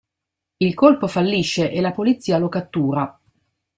Il colpo fallisce e la polizia lo cattura.